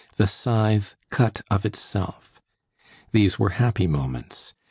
The scythe cut of itself. These were happy moments.